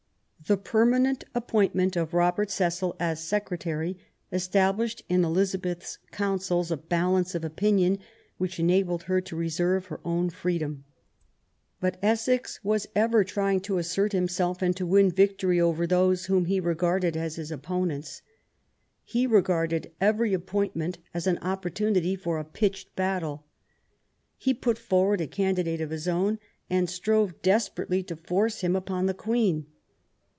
The permanent appointment of Robert Cecil as secretary established in Elizabeth's counsels a balance of opinion which enabled her to reserve her own freedom. But Essex was ever trying to assert himself, and to win a victory over those whom he regarded as his opponents. He regarded every appointment as an opportunity for a pitched battle. He put forward a candidate of his own, and strove desperately to force him upon the Queen.